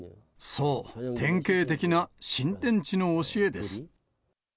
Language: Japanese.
そう、典型的な新天地の教えです。